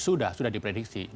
sudah sudah diprediksi